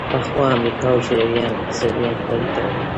پخوا امریکا او شوروي هم اقتصادي همکاري کوله